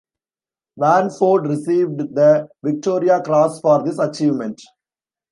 Warneford received the Victoria Cross for this achievement.